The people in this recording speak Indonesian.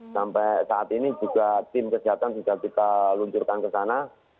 sampai saat ini juga tim kesehatan sudah kita luncurkan ke sana